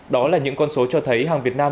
đó là những con số cho thấy hàng việt nam